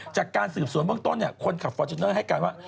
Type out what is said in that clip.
จากการสืบสวนเบื้องต้นคนขับฟอร์จูเนอร์ให้การว่า